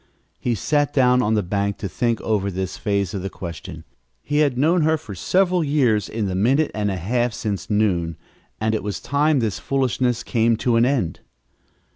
He sat down on the bank to think over this phase of the question. He had known her several years in the minute and a half since noon, and it was time this foolishness came to an end.